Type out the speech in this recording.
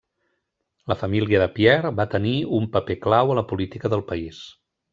La família de Pierre va tenir un paper clau a la política del país.